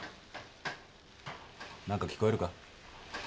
何か聞こえるか？